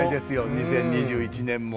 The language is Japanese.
２０２１年も。